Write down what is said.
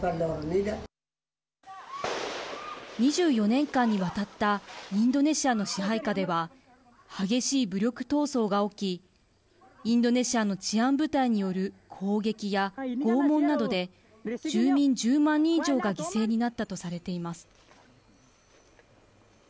２４年間にわたったインドネシアの支配下では激しい武力闘争が起きインドネシアの治安部隊による攻撃や拷問などで住民１０万人以上が犠牲になったとされています。